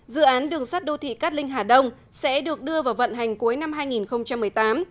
dự án đường sắt đô thị cát linh hà đông sẽ được đưa vào vận hành cuối năm hai nghìn một mươi tám